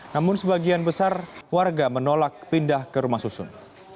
namun sebagian besar warga menolak pindah ke rumah susun